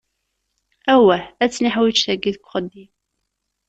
Awwah ad tt-niḥwiǧ tagi deg uxeddim.